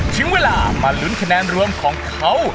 ถึงเวลามาลุ้นคะแนนรวมของเขา